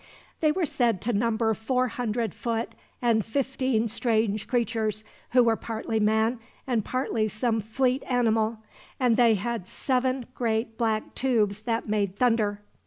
They were said to number four hundred foot and fifteen strange creatures, who were partly man and partly some fleet animal; and they had seven great black tubes that made thunder.